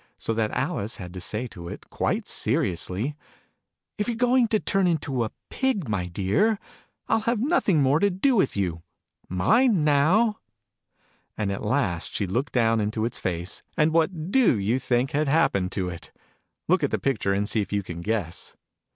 so that Alice had to say to it, quite seriously, " If you're going to turn into a Pig , my dear, I'll have nothing more to do with you. Mind now !" Digitized by Google 32 THE NURSERY " ALICE. And at last she looked down into its face, and what do you think had happened to it ? Look at the picture, and see if you can guess.